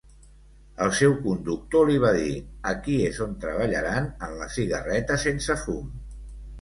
El seu conductor li va dir "Aquí és on treballaran en la cigarreta sense fum".